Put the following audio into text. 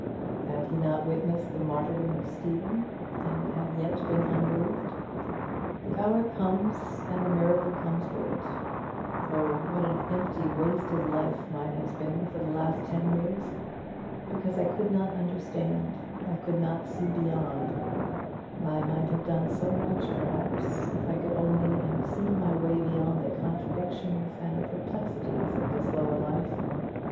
Had he not witnessed the martyrdom of Stephen, and had yet been unmoved? The hour comes, and the miracle comes with it. Oh, what an empty wasted life mine has been for the last ten years! because I could not understand I could not see beyond. I might have done so much perhaps, if I could only have seen my way beyond the contradictions and perplexities of this lower life.